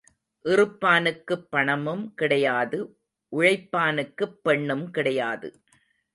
இறுப்பானுக்குப் பணமும் கிடையாது உழைப்பானுக்குப் பெண்ணும் கிடையாது.